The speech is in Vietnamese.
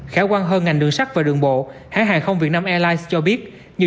khả quan hơn ngành đường sát và đường bộ hải hàng không việt nam airlines cho biết nhiều